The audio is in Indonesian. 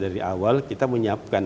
dari awal kita menyiapkan